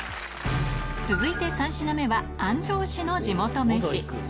続いて３品目は安城市の地元飯